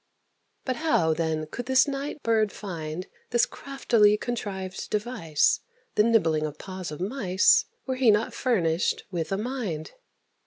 But how, then, could this night bird find This craftily contrived device, The nibbling of the paws of mice, Were he not furnished with a mind?